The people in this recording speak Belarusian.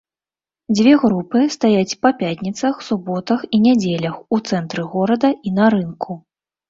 Дзве групы стаяць па пятніцах, суботах і нядзелях у цэнтры горада і на рынку.